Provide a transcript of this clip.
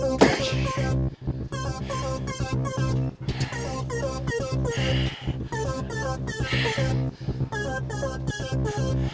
tunggu kaya gini ada si ojat